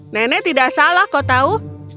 nenek tidak salah kau tahu